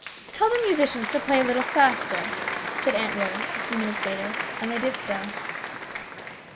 " Tell the musicians to play a little faster," said Aunt Royal, a few minutes later, and they did so.